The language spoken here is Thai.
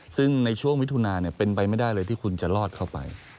ซึ่งในช่วงมิถุนาเป็นไปไม่ได้เลยที่คุณจะรอดเข้าไป